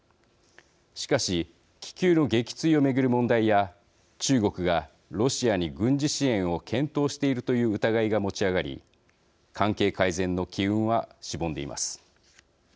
しかし、気球の撃墜を巡る問題や中国がロシアに軍事支援を検討しているという疑いが持ち上がり関係改善の機運はしぼんでいます。